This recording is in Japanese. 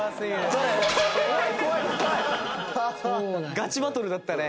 ガチバトルだったね。